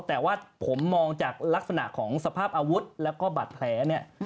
แต่ว่าผมมองจากลักษณะของสภาพอาวุธแล้วก็บาดแผลเนี่ย